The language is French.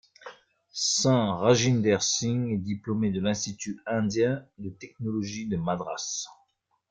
Sant Rajinder Singh est diplômé de l'Institut indien de technologie de Madras.